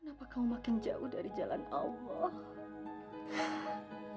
kenapa kau makin jauh dari jalan allah